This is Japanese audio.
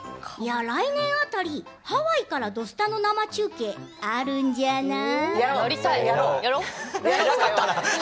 来年辺り、ハワイから「土スタ」生中継あるんじゃない？